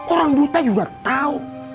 orang buta juga tahu